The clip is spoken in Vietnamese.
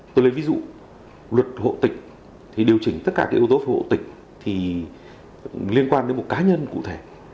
tôi lấy ví dụ luật hộ tịch thì điều chỉnh tất cả cái yếu tố hộ tịch thì liên quan đến một cá nhân cụ thể